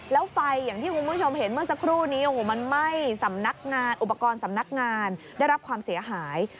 แล้วไฟอย่างที่คุณผู้ชมเห็นเมื่อสักครู่นี้โอ้โหมันไหม้สำนักงานอุปกรณ์สำนักงานได้รับความเสียหาย